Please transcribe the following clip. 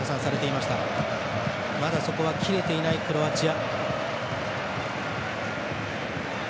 まだ、そこは切れていないクロアチア。